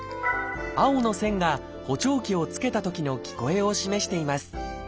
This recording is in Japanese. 青の線が補聴器を着けたときの聞こえを示しています。